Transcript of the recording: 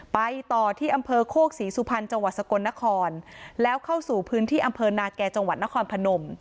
ไปต่อที่อำเภอโคกศรีสุพรรณจังหวัดสกลนครแล้วเข้าสู่พื้นที่อำเภอนาแก่จังหวัดนครพนม